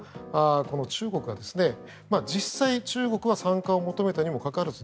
この中国が、実際、中国は参加を求めたにもかかわらず